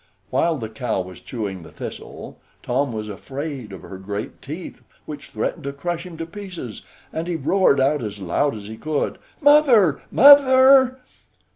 While the cow was chewing the thistle Tom was afraid of her great teeth, which threatened to crush him to pieces, and he roared out as loud as he could, "Mother, mother!"